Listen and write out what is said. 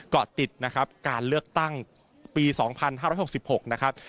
ก็ติดการเลือกตั้งปี๒๕๖๖นะครับ